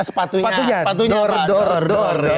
sepatunya sepatunya dor dor dor